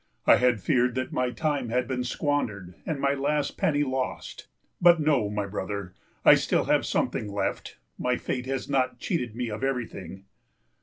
I had feared that my time had been squandered and my last penny lost. But no, my brother, I have still something left. My fate has not cheated me of everything.